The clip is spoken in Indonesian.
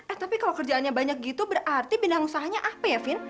eh tapi kalau kerjaannya banyak gitu berarti bidang usahanya apa ya vin